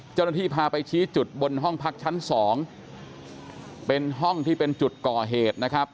เจ้าหน้าที่พาไปชี้จุดบนห้องพักชั้นสองเป็นห้องที่เป็นจุดก่อเหตุนะครับ